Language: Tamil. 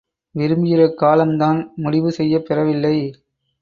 விரும்புகிற காலம் தான் முடிவு செய்யப் பெறவில்லை!